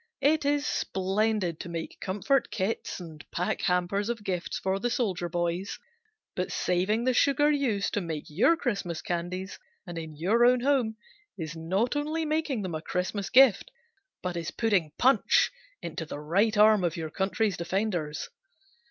It is splendid to make comfort kits and pack hampers of gifts for the soldier boys, but saving the sugar used to make your Christmas candies and in your own home is not only making them a Christmas gift but is putting punch into the right arm of your country's defenders.